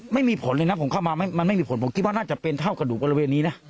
ไม่มีผลเลยนะผมเข้ามามันไม่มีผลผมคิดว่าน่าจะเป็นเท่ากระดูกบริเวณนี้นะ